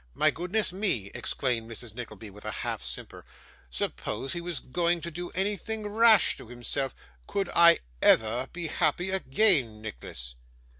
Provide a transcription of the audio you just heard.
My goodness me!' exclaimed Mrs. Nickleby, with a half simper, 'suppose he was to go doing anything rash to himself. Could I ever be happy again, Nicholas?